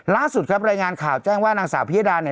ล่าสุดครับรายงานข่าวแจ้งว่านางสาวพิยดาเนี่ย